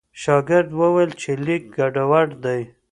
شاګرد وویل چې لیک ګډوډ دی.